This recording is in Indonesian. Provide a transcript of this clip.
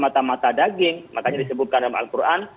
maka semata mata daging makanya disebutkan dalam al quran